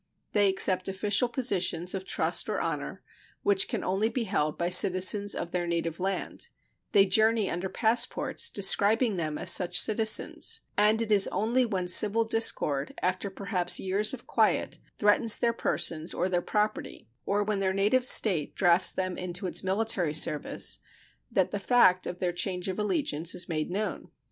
They accept official positions of trust or honor, which can only be held by citizens of their native land; they journey under passports describing them as such citizens; and it is only when civil discord, after perhaps years of quiet, threatens their persons or their property, or when their native state drafts them into its military service, that the fact of their change of allegiance is made known.